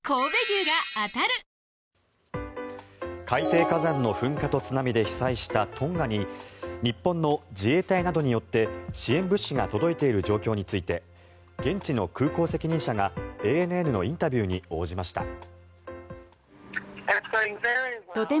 海底火山の噴火と津波で被災したトンガに日本の自衛隊などによって支援物資が届いている状況について現地の空港責任者がＡＮＮのインタビューに応じました。